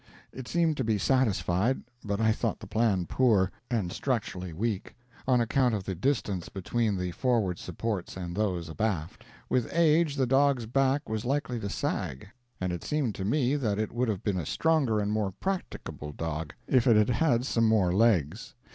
It seemed to be satisfied, but I thought the plan poor, and structurally weak, on account of the distance between the forward supports and those abaft. With age the dog's back was likely to sag; and it seemed to me that it would have been a stronger and more practicable dog if it had had some more legs.